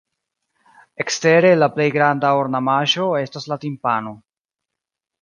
Ekstere la plej granda ornamaĵo estas la timpano.